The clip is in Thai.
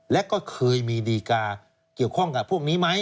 และก็เคยมีดีกาเกี่ยวข้องกับพวกนี้ไหม